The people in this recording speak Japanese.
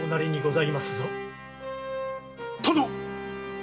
殿！